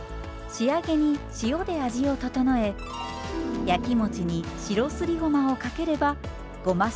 仕上げに塩で味を調え焼き餅に白すりごまをかければごましるこの完成です。